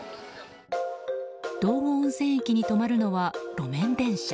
道後温泉駅に止まるのは路面電車。